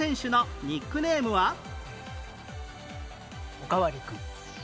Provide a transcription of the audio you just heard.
おかわり君。